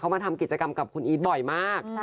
เขามาทำกิจกรรมกับอิทบ่อยมาก